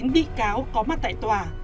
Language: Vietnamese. bi cáo có mặt tại tòa